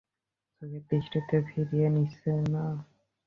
চোখের দৃষ্টিও ফিরিয়ে নিচ্ছে না।